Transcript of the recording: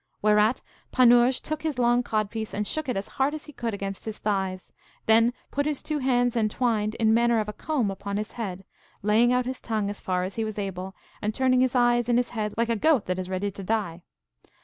Whereat Panurge took his long codpiece, and shook it as hard as he could against his thighs; then put his two hands entwined in manner of a comb upon his head, laying out his tongue as far as he was able, and turning his eyes in his head like a goat that is ready to die.